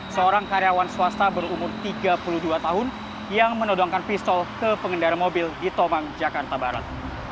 seorang karyawan swasta berumur tiga puluh dua tahun yang menodongkan pistol ke pengendara mobil di tomang jakarta barat